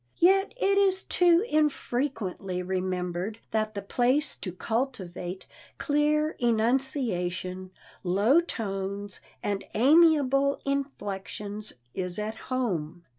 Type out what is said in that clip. Yet it is too infrequently remembered that the place to cultivate clear enunciation, low tones and amiable inflections is at home.